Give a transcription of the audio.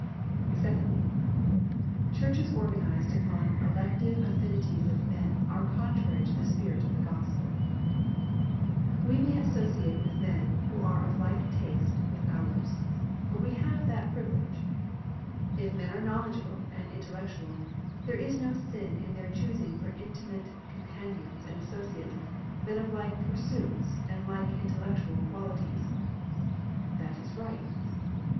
Secondly, churches organized upon elective affinities of men are contrary to the spirit of the gospel. We may associate with men who are of like taste with ours. We have that privilege. If men are knowledgeable and intellectual, there is no sin in their choosing for intimate companions and associates men of like pursuits and like intellectual qualities. That is right.